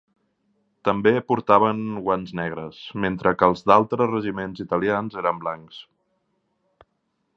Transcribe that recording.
També portaven guants negres, mentre que els d'altres regiments italians eren blancs.